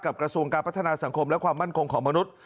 กระทรวงการพัฒนาสังคมและความมั่นคงของมนุษย์